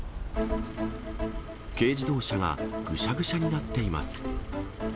軽自動車がぐしゃぐしゃになっています。